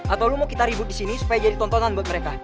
atau lu mau kita ribut di sini supaya jadi tontonan buat mereka